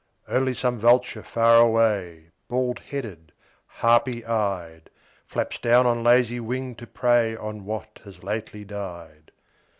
Only some vulture far away, Bald headed, harpy eyed, Flaps down on lazy wing to prey On what has lately died.